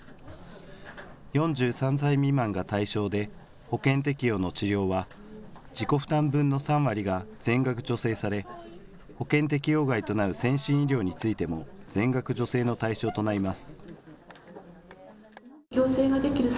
４３歳未満が対象で保険適用の治療は自己負担分の３割が全額助成され保険適用外となる先進医療についても全額助成の対象となります。